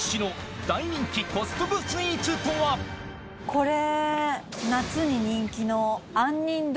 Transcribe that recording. これ。